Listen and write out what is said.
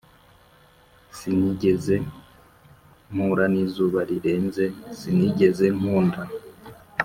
sinigeze mpura n'izuba rirenze sinigeze nkunda.